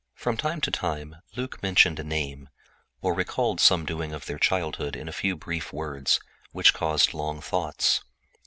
From time to time Luc would mention a name, or recall some deed of their childhood in a few brief words, which caused long thoughts.